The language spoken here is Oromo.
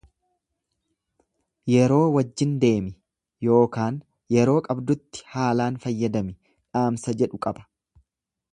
Yeroo wajjin deemi yookaan yeroo qabdutti haalaan fayyadami dhaamsa jedhu qaba.